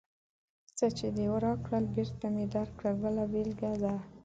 څه چې دې راکړل، بېرته مې درکړل بله بېلګه ده.